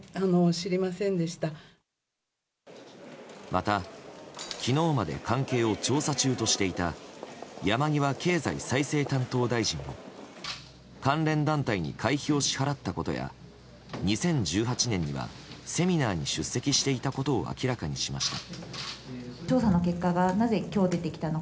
また、昨日まで関係を調査中としていた山際経済再生担当大臣も関連団体に会費を支払ったことや２０１８年にはセミナーに出席していたことを明らかにしました。